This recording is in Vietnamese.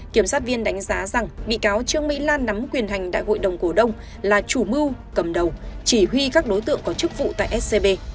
kiểm sát viên đánh giá rằng bị cáo trương mỹ lan nắm quyền hành đại hội đồng cổ đông là chủ mưu cầm đầu chỉ huy các đối tượng có chức vụ tại scb